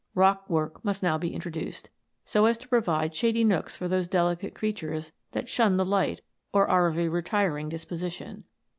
Hock work must now be introduced, so as to provide shady nooks for those delicate creatures that shun the light or are of a retiring disposition.